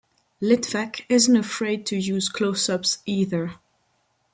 Litvak isn't afraid to use close-ups either.